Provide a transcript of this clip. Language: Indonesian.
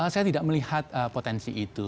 saya tidak melihat potensi itu